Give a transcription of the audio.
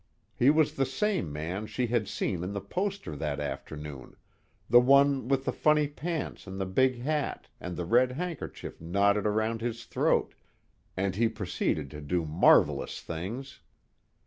He was the same man she had seen in the poster that afternoon; the one with the funny pants and the big hat and the red handkerchief knotted around his throat, and he proceeded to do marvelous things.